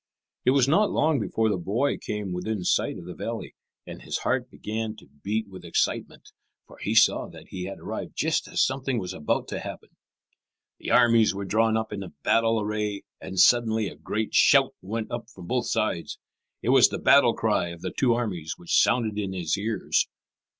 It was not long before the boy came within sight of the valley, and his heart began to beat with excitement, for he saw that he had arrived just as something was about to happen. The armies were drawn up in battle array, and suddenly a great shout went up from both sides. It was the battle cry of the two armies which sounded in his ears.